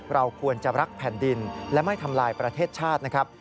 เราควรจะรักแผ่นดินและไม่ทำลายประเทศชาตินะครับ